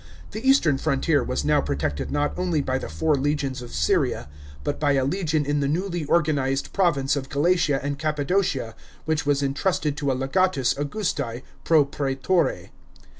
The east rn frontier was now protected not only by the four legions of Syria, but by a legion in the newly organised province of Galatia and Cappadocia which was entrusted to a legatus August! pro praetore.